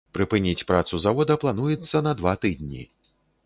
Прыпыніць працу завода плануецца на два тыдні.